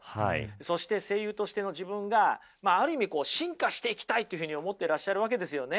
そして声優としての自分がある意味進化していきたいというふうに思っていらっしゃるわけですよね。